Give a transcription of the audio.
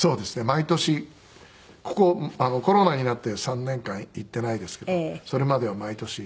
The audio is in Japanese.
毎年コロナになって３年間行っていないですけどそれまでは毎年。